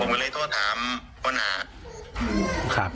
ผมก็เลยถ้าถามผ้าน่า